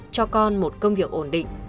cho con một công việc ổn định